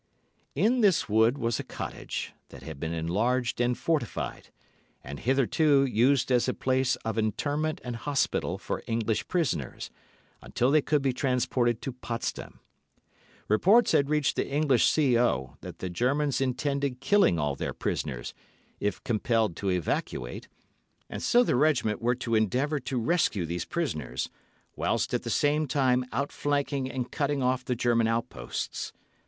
In this wood was a cottage, that had been enlarged and fortified, and hitherto used as a place of internment and hospital for English prisoners, until they could be transported to Potsdam. Reports had reached the English C.O. that the Germans intended killing all their prisoners, if compelled to evacuate T——, and so the O——s were to endeavour to rescue these prisoners, whilst at the same time outflanking and cutting off the German outposts.